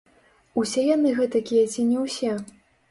Усе яны гэтакія ці не ўсе?